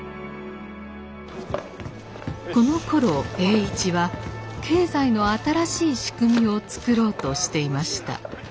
このころ栄一は経済の新しい仕組みを作ろうとしていました。